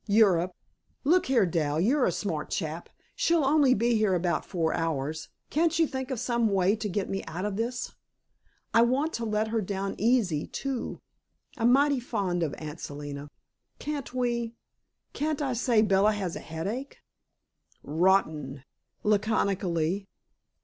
"Europe. Look here, Dal, you're a smart chap. She'll only be here about four hours. Can't you think of some way to get me out of this? I want to let her down easy, too. I'm mighty fond of Aunt Selina. Can't we can't I say Bella has a headache?" "Rotten!" laconically.